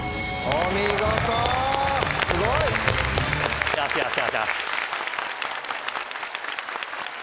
お見事すごい！よしよし。